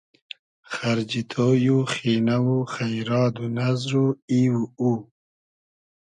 خئرجی تۉی و خینۂ و خݷراد و نئزر و ای و او